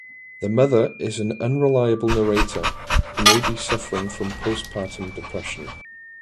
The mother is an unreliable narrator who may be suffering from postpartum depression.